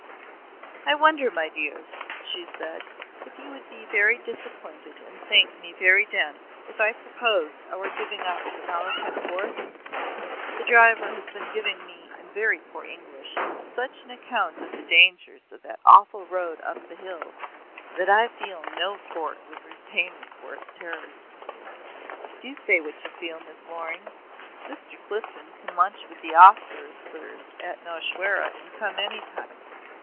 "I wonder, my dears," she said, "if you would be very disappointed and think me very dense if I proposed our giving up the Malakhand Fort? The driver has been giving me in very poor English such an account of the dangers of that awful road up the hill that I feel no Fort would repay me for its terrors. Do say what you feel, Miss Loring. Mr. Clifden can lunch with the officers at Nowshera and come any time.